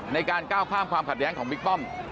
ในการก้าวข้ามความขัดแย้งของบิ๊กป้อม